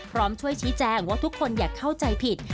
พร้อมช่วยชี้แจงว่าทุกคนอย่าเข้าใจผิด